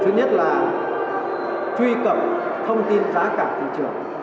thứ nhất là truy cập thông tin giá cả thị trường